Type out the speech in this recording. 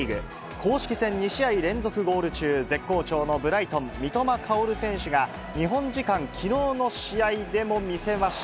公式戦２試合連続ゴール中、絶好調のブライトン、三笘薫選手が、日本時間きのうの試合でも見せました。